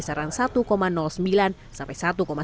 kisaran satu sembilan sampai satu satu